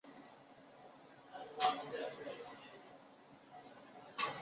八届世界健美先生。